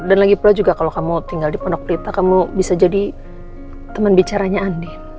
dan lagi pula juga kalau kamu tinggal di pondok pelita kamu bisa jadi teman bicaranya andin